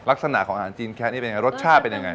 ลักษณะของอาหารจีนแคะนี่เป็นไงรสชาติเป็นยังไง